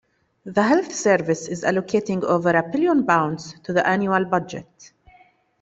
The health service is allocating over a billion pounds to the annual budget.